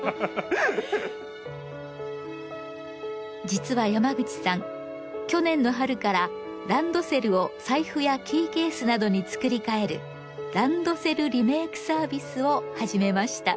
実は山口さん去年の春からランドセルを財布やキーケースなどに作り変える「ランドセルリメーク」サービスを始めました。